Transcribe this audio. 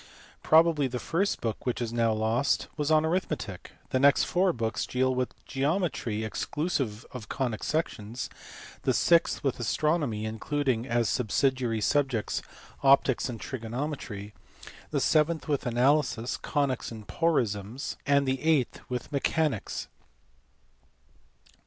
Probably the first book, which is now lost, was on arithmetic. The next four books deal with geometry ex clusive of conic sections : the sixth with astronomy including, as subsidiary subjects, optics and trigonometry : the seventh with analysis, conies, and porisms: arid the eighth with mechanics.